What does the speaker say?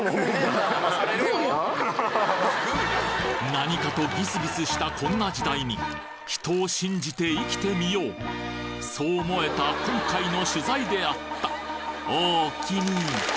なにかとギスギスしたこんな時代に人を信じて生きてみようそう思えた今回の取材であったおおきに